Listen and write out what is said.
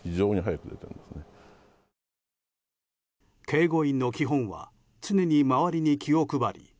警護員の基本は常に周りに気を配り